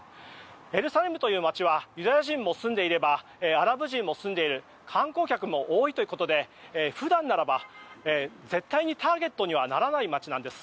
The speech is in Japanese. エルサレムという街はユダヤ人も住んでいればアラブ人も住んでいる観光客も多いということで普段ならば、絶対にターゲットにならない街なんです。